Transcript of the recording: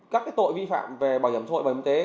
các cái tội vi phạm về bảo hiểm thu hội bảo hiểm thế